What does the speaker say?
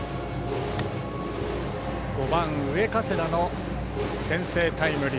５番、上加世田の先制タイムリー。